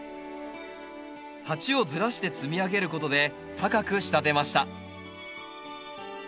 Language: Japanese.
鉢をずらして積み上げることで高く仕立てました。